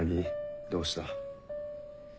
どうした？